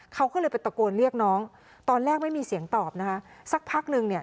เขาก็เลยไปตะโกนเรียกน้องตอนแรกไม่มีเสียงตอบนะคะสักพักนึงเนี่ย